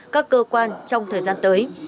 các cơ quan trong thời gian tới